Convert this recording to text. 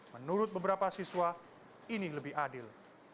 menurut beberapa siswa ini lebih adil